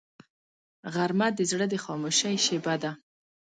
غرمه د زړه د خاموشۍ شیبه ده